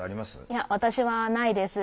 いや私はないです。